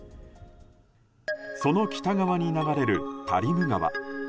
その北側に流れるタリム川。